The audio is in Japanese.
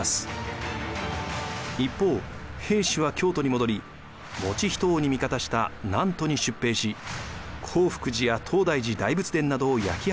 一方平氏は京都に戻り以仁王に味方した南都に出兵し興福寺や東大寺大仏殿などを焼き払うのです。